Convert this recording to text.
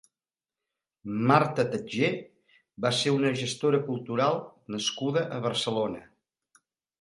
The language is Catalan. Marta Tatjer va ser una gestora cultural nascuda a Barcelona.